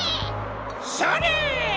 それ！